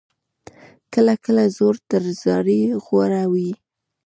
کله کله زور تر زارۍ غوره وي.